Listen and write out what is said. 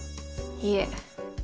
いえ。